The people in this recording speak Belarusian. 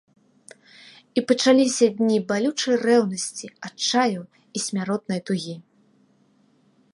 І пачаліся дні балючай рэўнасці, адчаю і смяротнай тугі.